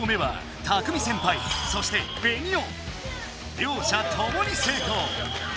両者ともに成功。